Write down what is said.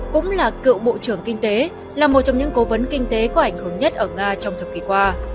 cũng là cựu bộ trưởng kinh tế là một trong những cố vấn kinh tế có ảnh hưởng nhất ở nga trong thập kỷ qua